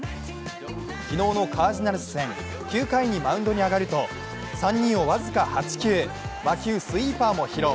昨日のカージナルス戦、９回にマウンドに上がると３人を僅か８球魔球スイーパーも披露。